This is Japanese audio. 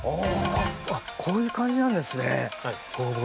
こういう感じなんですか。